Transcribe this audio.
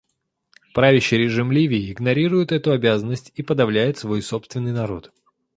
Правящий режим Ливии игнорирует эту обязанность и подавляет свой собственный народ.